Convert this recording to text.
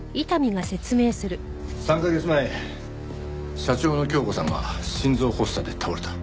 ３カ月前社長の恭子さんが心臓発作で倒れた。